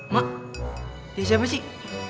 mak dia siapa sih